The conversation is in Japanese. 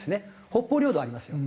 北方領土はありますよ。